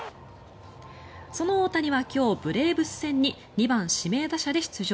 その大谷は今日、ブレーブス戦に２番指名打者で出場。